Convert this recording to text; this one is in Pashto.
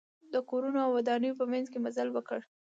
د کورونو او ودانیو په منځ کې مزل وکړ.